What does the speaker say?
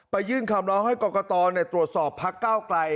ไปยื่นคำล้อให้กรกตในตรวจสอบภาคเก้าไกล